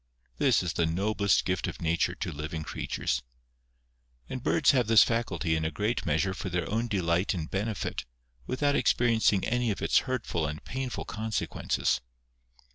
This is the noblest gift of Nature to living creatures. And birds have this faculty in a great measure for their own delight and benefit, without experi encing any of its hurtful and painful consequences.